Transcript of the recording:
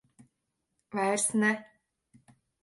Vairs ne.